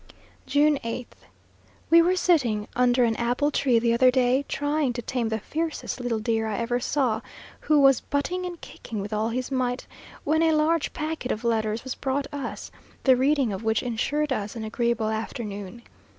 June 8th. We were sitting under an apple tree the other day, trying to tame the fiercest little deer I ever saw, who was butting and kicking with all his might, when a large packet of letters was brought us, the reading of which insured us an agreeable afternoon.